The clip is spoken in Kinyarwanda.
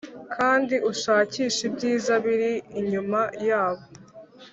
kandi ushakishe ibyiza biri inyuma yabo.